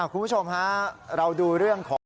คุณผู้ชมฮะเราดูเรื่องของ